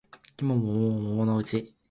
季も桃も桃のうち